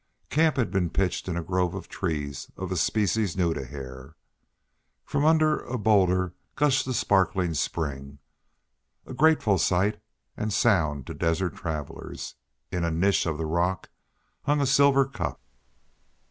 Camp had been pitched in a grove of trees of a species new to Hare. From under a bowlder gushed the sparkling spring, a grateful sight and sound to desert travellers. In a niche of the rock hung a silver cup.